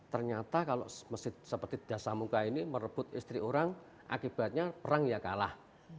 ternyata kalau seperti dasar muka ini merebut istri orang akibatnya perang ya kalah